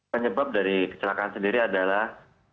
penyebab dari kecelakaan sendiri adalah